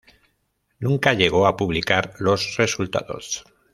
Nunca llegó a publicar los resultados.